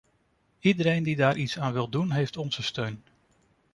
Iedereen die daar iets aan wil doen heeft onze steun.